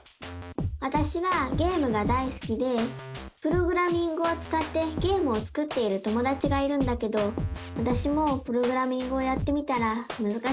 わたしはゲームがだいすきでプログラミングをつかってゲームを作っている友だちがいるんだけどわたしもプログラミングをやってみたらむずかしくて。